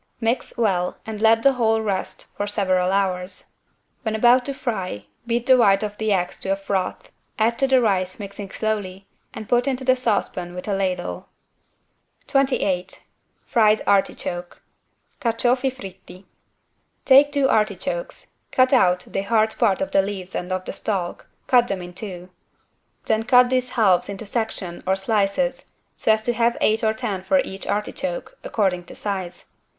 Mix well and let the whole rest for several hours. When about to fry, beat the white of the eggs to a froth, add to the rice mixing slowly, and put into the saucepan with a ladle. 28 FRIED ARTICHOKE (Carciofi fritti) Take two artichokes, cut out the hard part of the leaves and of the stalk, cut them in two. Then cut these halves into section or slices so as to have eight or ten for each artichoke, according to size.